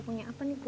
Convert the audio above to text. suka enggak ya